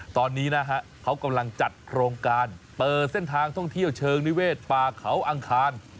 ตอนนี้นะฮะเขากำลังจัดโครงการเปิดเส้นทางท่องเที่ยวเชิงนิเวศป่าเขาอังคาร